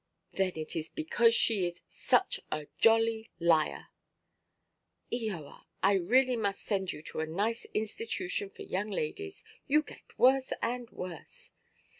"Then it is because she is such a jolly liar." "Eoa, I really must send you to a 'nice institution for young ladies.' You get worse and worse."